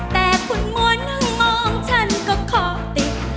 แต่คุณม้วนมองฉันก็ขอติด